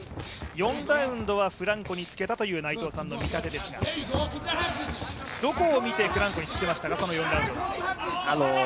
４ラウンドはフランコにつけたという内藤さんの見立てですがどこを見てフランコにつけましたか？